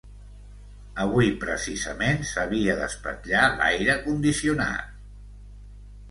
Avui precisament s'havia d'espatllar l'aire condicionat!